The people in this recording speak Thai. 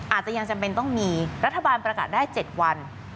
อาจจะยังจำเป็นต้องมีรัฐบาลประกาศได้๗วัน